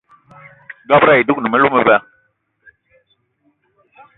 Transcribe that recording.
Dob-ro ayi dougni melou meba.